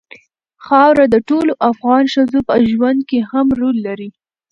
خاوره د ټولو افغان ښځو په ژوند کې هم رول لري.